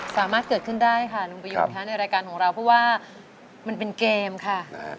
สามารถเกิดขึ้นได้ค่ะลุงประโยชนค่ะในรายการของเราเพราะว่ามันเป็นเกมค่ะ